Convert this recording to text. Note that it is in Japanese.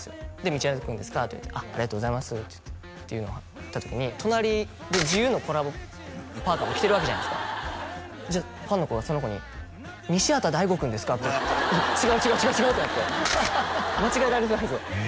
「道枝君ですか？」と言われて「ありがとうございます」っていうのがあった時に隣でＧＵのコラボパーカーを着てるわけじゃないですかファンの子がその子に「西畑大吾君ですか？」って違う違う違う違う！ってなって間違えられたんですよ